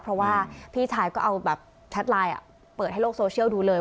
เพราะว่าพี่ชายก็เอาแบบแชทไลน์เปิดให้โลกโซเชียลดูเลย